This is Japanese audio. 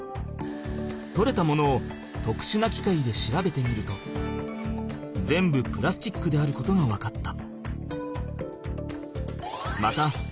とれたものをとくしゅなきかいで調べてみると全部プラスチックであることが分かった。